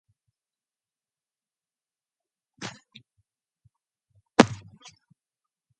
He claimed that there were kickbacks, patronage and various wrongdoings.